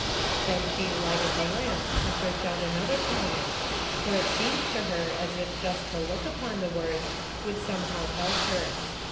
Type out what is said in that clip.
Then she lighted the lamp to search out another promise, for it seemed to her as if just to look upon the words would somehow help her.